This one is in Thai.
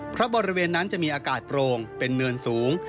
เพราะบริเวณนั้นจะมีอากาศโปร่งเป็นเนินสูง